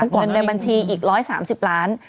เงินในบัญชีอีก๑๓๐ล้าน